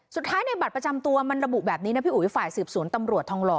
สุดท้ายในบัตรประจำตัวมันระบุแบบนี้นะพี่อุ๋ยฝ่ายสืบสวนตำรวจทองหล่อ